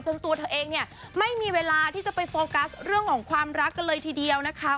ตัวเธอเองเนี่ยไม่มีเวลาที่จะไปโฟกัสเรื่องของความรักกันเลยทีเดียวนะคะ